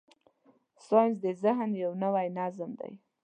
ساینس د ذهن یو نوی نظم دی.